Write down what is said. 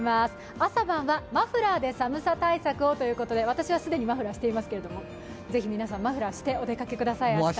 朝晩はマフラーで寒さ対策をということで私は既にマフラーしていますけれどもぜひ皆さん、マフラーをしてお出かけください、明日。